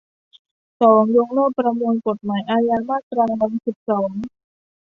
สอง ยกเลิกประมวลกฎหมายอาญา มาตราร้อยสิบสอง